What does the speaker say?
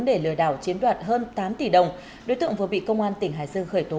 để lừa đảo chiếm đoạt hơn tám tỷ đồng đối tượng vừa bị công an tỉnh hải dương khởi tố